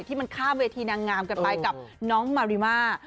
ที่มันข้ามเวทีนางงามกันไปกับน้องมาริมา